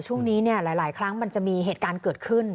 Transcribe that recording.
ช่วงนี้เนี่ยหลายครั้งมันจะมีเหตุการณ์เกิดขึ้น